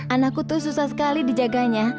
anakku tuh susah sekali dijaganya